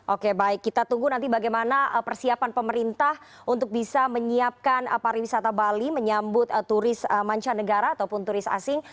oke baik kita tunggu nanti bagaimana persiapan pemerintah untuk bisa menyiapkan pariwisata bali menyambut turis mancanegara ataupun turis asing